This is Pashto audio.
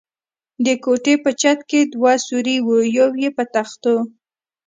د کوټې په چت کې دوه سوري و، یو یې په تختو.